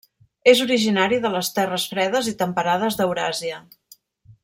És originari de les terres fredes i temperades d'Euràsia.